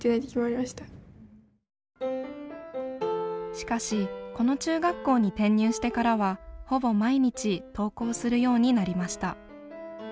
しかしこの中学校に転入してからはほぼ毎日登校するようになりました。